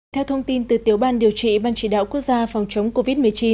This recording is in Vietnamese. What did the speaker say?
theo thông tin từ tiểu ban điều trị ban chỉ đạo quốc gia phòng chống covid một mươi chín